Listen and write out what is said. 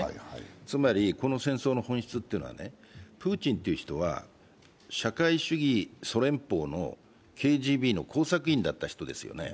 つまりこの戦争の本質というのはプーチンという人は社会主義ソ連邦のＫＧＢの工作員だった人ですよね。